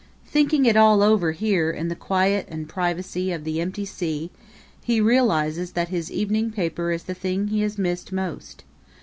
Thinking it all over here in the quiet and privacy of the empty sea, he realizes that his evening paper is the thing he has missed most.